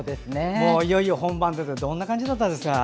いよいよ本番でどんな感じだったんですか？